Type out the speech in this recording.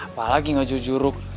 apalagi gak juruk juruk